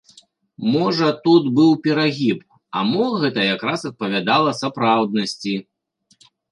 Можа тут быў перагіб, а мо гэта якраз адпавядала сапраўднасці.